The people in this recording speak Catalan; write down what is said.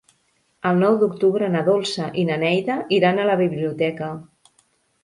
El nou d'octubre na Dolça i na Neida iran a la biblioteca.